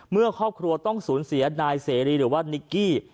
เมื่อครอบครัวต้องสูญเสียนายเสรีหรือว่านิกกี้